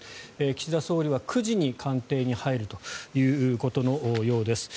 岸田総理は９時に官邸に入るということのようです。